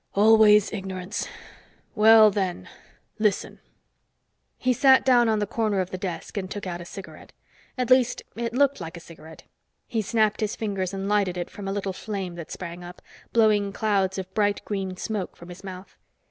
"Always ignorance. Well, then, listen." He sat down on the corner of the desk and took out a cigarette. At least it looked like a cigarette. He snapped his fingers and lighted it from a little flame that sprang up, blowing clouds of bright green smoke from his mouth.